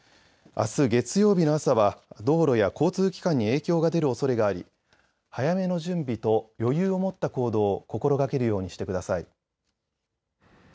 あす月曜日の朝は道路や交通機関に影響が出るおそれがあり早めの準備と余裕を持った行動を心がけるようにしてください。